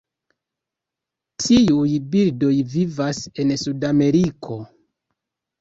Tiuj birdoj vivas en Sudameriko.